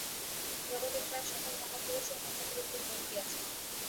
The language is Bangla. জগতে প্রায় সকল মহাপুরুষই অনুভবের উপর জোর দিয়াছেন।